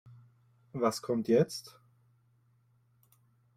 Was kommt jetzt?